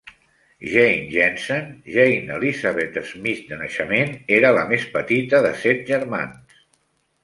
Jane Jensen, Jane Elizabeth Smith de naixement, era la més petita de set germans.